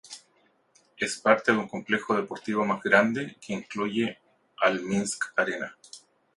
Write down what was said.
Es parte de un complejo deportivo más grande que incluye al Minsk-Arena.